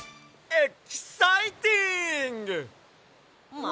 えっ？